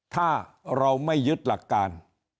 ถ้าเราไม่ยึดหลักการ